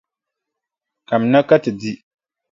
Kamina ka ti di.